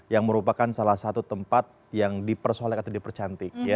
yang merupakan salah satu tempat yang dipersolek atau dipercantik